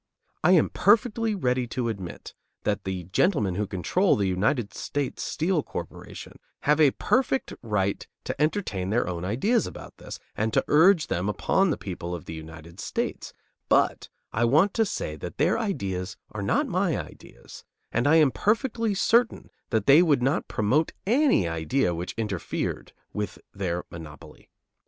I am perfectly ready to admit that the gentlemen who control the United States Steel Corporation have a perfect right to entertain their own ideas about this and to urge them upon the people of the United States; but I want to say that their ideas are not my ideas; and I am perfectly certain that they would not promote any idea which interfered with their monopoly.